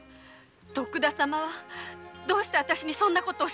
徳田様はどうしてあたしにそんな事を。